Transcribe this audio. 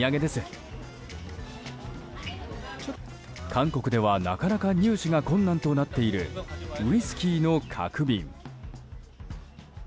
韓国ではなかなか入手が困難となっているウイスキーの角瓶。